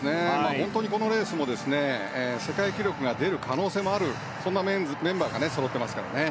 このレースも世界記録が出る可能性もあるそんなメンバーがそろっていますからね。